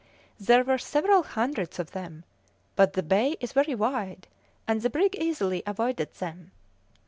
There were several hundreds of them, but the bay is very wide, and the brig easily avoided them.